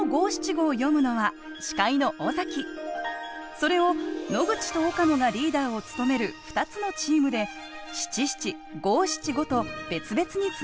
それを野口と岡野がリーダーを務める２つのチームで「７７」「５７５」と別々につないでいきます。